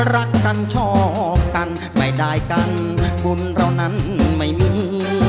รักกันชอบกันไม่ได้กันบุญเหล่านั้นไม่มี